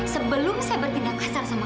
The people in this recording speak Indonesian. sebelum saya bertindak kasar sama